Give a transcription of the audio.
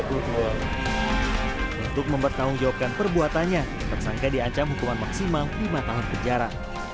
untuk mempertanggungjawabkan perbuatannya tersangka diancam hukuman maksimal lima tahun penjara